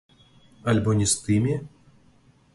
Альбо не з тымі?